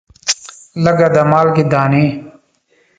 لګه د مالګې دانې